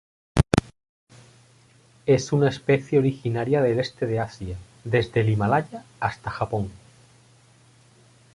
Es una especie originaria del este de Asia, desde el Himalaya hasta Japón.